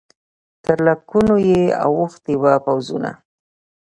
تر لکونو یې اوښتي وه پوځونه